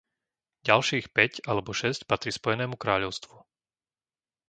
Ďalších päť alebo šesť patrí Spojenému kráľovstvu.